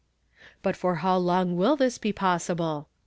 "But for liow long will this be possible?